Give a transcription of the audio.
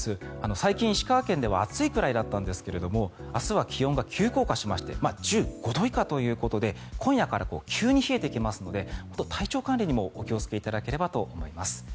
最近、石川県では暑いくらいだったんですが明日は気温が急降下しまして１５度以下ということで今夜から急に冷えてきますので本当、体調管理にもお気をつけいただければと思います。